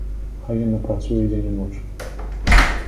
Хай яна працуе дзень і ноч.